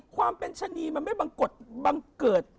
ความเป็นชะนีมันไม่บังกฎบังเกิด